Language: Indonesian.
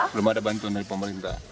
belum ada bantuan dari pemerintah